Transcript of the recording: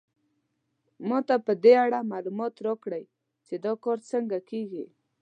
ما ته په دې اړه معلومات راکړئ چې دا کار څنګه کیږي